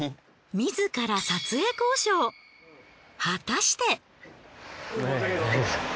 自ら撮影交渉果たして。